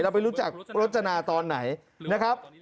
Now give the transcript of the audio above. ไปรู้จักรจนาตอนไหนนะครับ